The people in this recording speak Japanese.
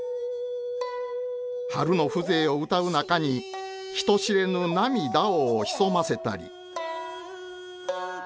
春の風情をうたう中に人知れぬ涙を潜ませたり。